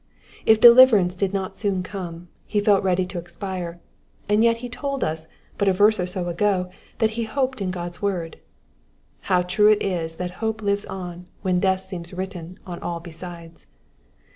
If deliverance did not soon come, he felt ready to expire, and yet he told us but a verse or so ago that he hoped in God's word : how true it is that hope lives on when death seems written on all besides.